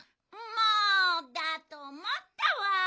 もうだとおもったわ。